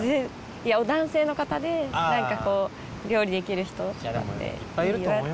いや男性の方でなんかこう料理できる人とかっていいよなって。